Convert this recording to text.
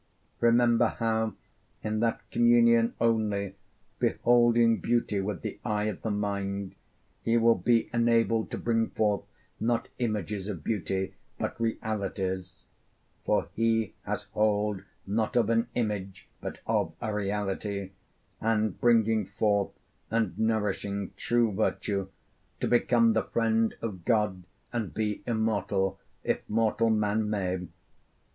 Remember how in that communion only, beholding beauty with the eye of the mind, he will be enabled to bring forth, not images of beauty, but realities (for he has hold not of an image but of a reality), and bringing forth and nourishing true virtue to become the friend of God and be immortal, if mortal man may.